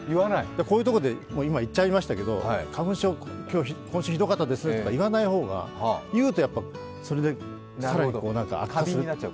こういうとこで今、言っちゃいましたけど花粉症、今週ひどかったですねとか言わない方が、言うとやっぱり更に悪化する。